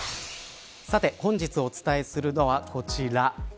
さて、本日お伝えするのはこちら。